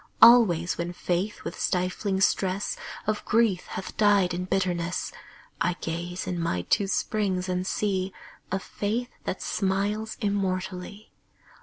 Always when Faith with stifling stress Of grief hath died in bitterness, I gaze in my two springs and see A Faith that smiles immortally.